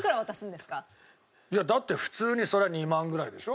いやだって普通にそりゃ２万ぐらいでしょ？